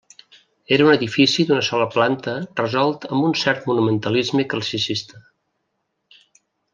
Era un edifici d'una sola planta resolt amb un cert monumentalisme classicista.